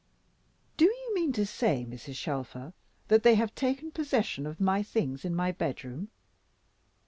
"Do you mean to say, Mrs. Shelfer, that they have taken possession of my things in my bedroom?"